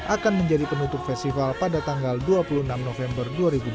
akan menjadi penutup festival pada tanggal dua puluh enam november dua ribu dua puluh